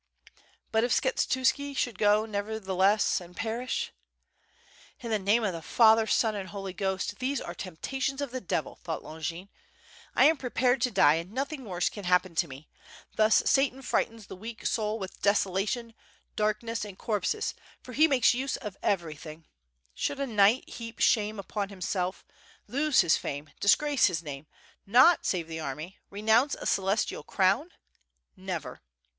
But if Skshetuski should go nevertheless, and perish: "In the name of the Father, Son, and Holy Ghost! these are temptations of the devil," thought Longin. "1 am pre pared to die and nothing worse can happen to me. Thus Satan frightens the weak soul with desolation, darkness, and corpses, for he makes use of everything. Should a knight heap shame upon himself, lose his fame, disgrace his name, not save the army, renounce a celestial crown? Never!"